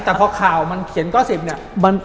แต่พอข่าวมันเขียนก้อสิบเนี่ย